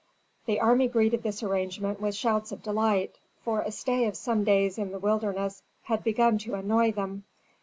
The army greeted this arrangement with shouts of delight, for a stay of some days in the wilderness had begun to annoy them.